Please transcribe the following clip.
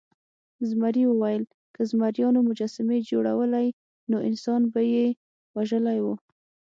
زمري وویل که زمریانو مجسمې جوړولی نو انسان به یې وژلی و.